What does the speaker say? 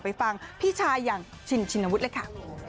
ไปฟังพี่ชายอย่างชินชินวุฒิเลยค่ะ